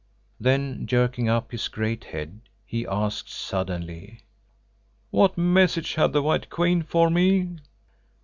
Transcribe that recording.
Then jerking up his great head, he asked suddenly, "What message had the White Queen for me?"